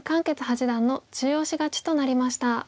傑八段の中押し勝ちとなりました。